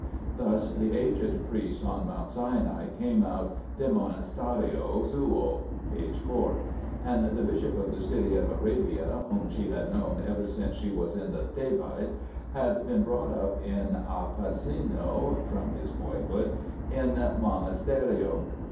Thus the aged priest on Mount Sinai came out de monasterio suo (p. 4), and the bishop of " the city of Arabia," whom she had known ever since she was in the Thebaid, had been brought up a pisinno (from his boyhood) in monasterio.